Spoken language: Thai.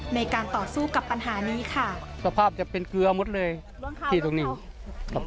ในการต่อสู้กับปัญหานี้ค่ะ